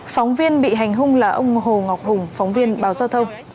phóng viên bị hành hung là ông hồ ngọc hùng phóng viên báo giao thông